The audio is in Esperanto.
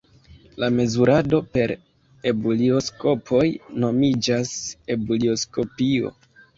La mezurado per ebulioskopoj nomiĝas ebulioskopio.